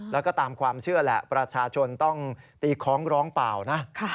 แล้วก็ตามความเชื่อแหละประชาชนต้องตีคล้องร้องเปล่านะ